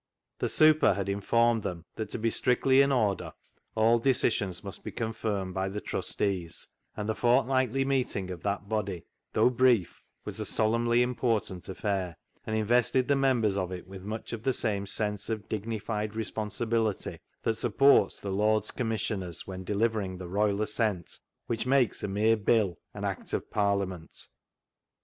The " super " had informed them that to be strictly in order all decisions must be confirmed by the Trustees, and the fortnightly meeting of that body, though brief, was a solemnly im portant affair, and invested the members of it with much of the same sense of dignified responsibility that supports the Lords Com missioners when delivering the Royal Assent 350 CLOG SHOP CHRONICLES which makes a mere " Bill " an Act of Parlia ment.